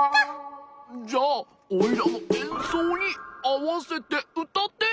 じゃオイラのえんそうにあわせてうたって！